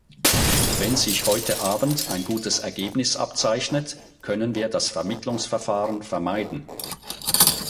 Wenn sich heute Abend ein gutes Ergebnis abzeichnet, können wir das Vermittlungsverfahren vermeiden.